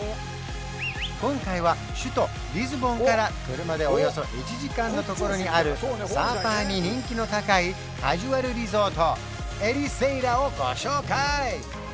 今回は首都リスボンから車でおよそ１時間のところにあるサーファーに人気の高いカジュアルリゾートエリセイラをご紹介！